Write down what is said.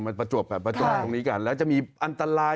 มันประจวบกับประจวบตรงนี้กันแล้วจะมีอันตราย